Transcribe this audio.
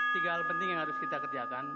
tiga hal penting yang harus kita kerjakan